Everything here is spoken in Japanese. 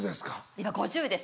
今５０です。